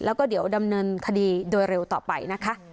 แล้วก็เดี๋ยวดำเนินคดีโดยเร็วต่อไปนะคะ